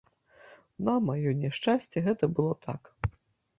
На маё няшчасце, гэта было так.